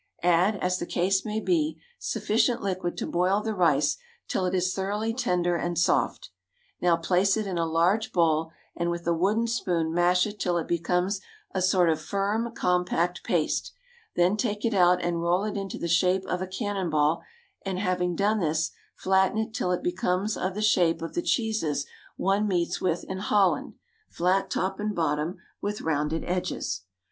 Add, as the case may be, sufficient liquid to boil the rice till it is thoroughly tender and soft. Now place it in a large bowl, and with a wooden spoon mash it till it becomes a sort of firm, compact paste; then take it out and roll it into the shape of a cannon ball, and having done this, flatten it till it becomes of the shape of the cheeses one meets with in Holland flat top and bottom, with rounded edges.